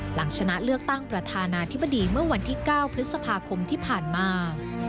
หลังชนะเลือกตั้งประธานาธิบดีเมื่อวันที่๙พฤษภาคมที่ผ่านมา